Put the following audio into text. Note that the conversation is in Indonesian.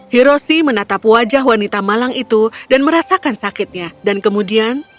hiroshi menatap wajah wanita malang itu dan merasakan sakitnya dan kemudian